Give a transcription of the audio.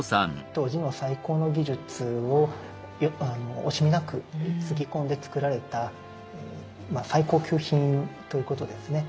当時の最高の技術を惜しみなくつぎ込んでつくられた最高級品ということですね。